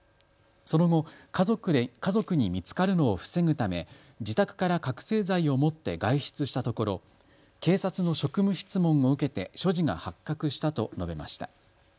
その後、家族に見つかるのを防ぐため自宅から覚醒剤を持って外出したところ警察の職務質問を受けて所持が発覚したと述べました。